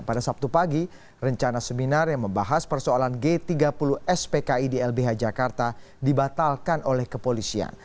pada sabtu pagi rencana seminar yang membahas persoalan g tiga puluh spki di lbh jakarta dibatalkan oleh kepolisian